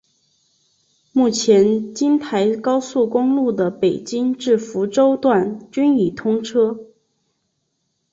目前京台高速公路的北京至福州段均已通车。